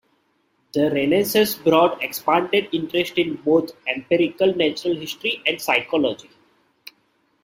The Renaissance brought expanded interest in both empirical natural history and physiology.